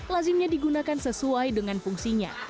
lazimnya digunakan sesuai dengan fungsinya